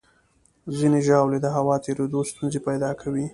ځینې ژاولې د هوا تېرېدو ستونزې پیدا کوي.